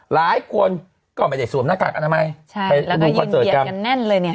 หลายคนก็ไม่ได้สวมหน้ากากอนามัยใช่แล้วทุกคนเปลี่ยนกันแน่นเลยเนี่ย